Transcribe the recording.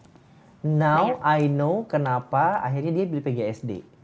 sekarang aku tau kenapa akhirnya dia pilih pgsd